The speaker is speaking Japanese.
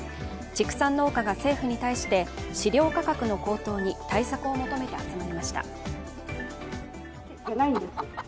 畜産農家が政府に対して飼料価格の高騰に対策を求めて集まりました。